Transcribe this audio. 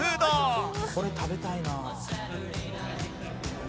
「これ食べたいなあ」